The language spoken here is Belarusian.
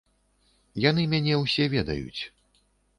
Яны мяне ўсе ведаюць.